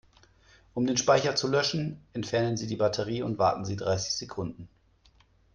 Um den Speicher zu löschen, entfernen Sie die Batterie und warten Sie dreißig Sekunden.